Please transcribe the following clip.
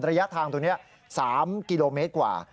ระยะทางตรงนี้๓กิโลเมตรกว่า